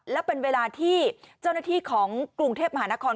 และเป็นเวลาที่เจ้าหน้าที่ของกรุงเทพมหานคร